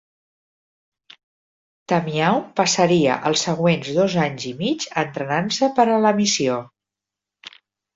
Tamyao passaria els següents dos anys i mig entrenant-se per a la missió.